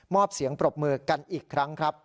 อบเสียงปรบมือกันอีกครั้งครับ